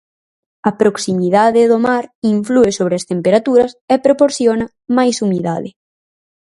A proximidade do mar inflúe sobre as temperaturas e proporciona máis humidade.